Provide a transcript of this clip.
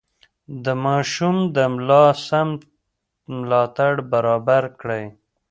د ماشوم د ملا سم ملاتړ برابر کړئ.